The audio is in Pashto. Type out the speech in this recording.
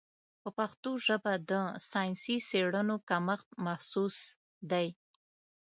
په پښتو ژبه د ساینسي څېړنو کمښت محسوس دی.